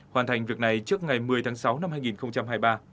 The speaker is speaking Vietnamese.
hoàn thành việc này trước ngày một mươi tháng sáu năm hai nghìn hai mươi ba